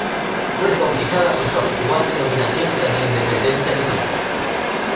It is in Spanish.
Fue rebautizada con su actual denominación tras la independencia de Túnez.